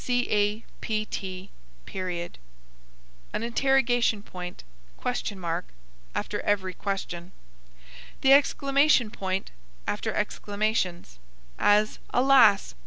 Capt. An interrogation point (?) after every question. The exclamation point (!) after exclamations; as, Alas!